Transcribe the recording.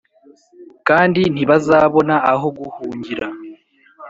kandi ntibazabona aho guhungira,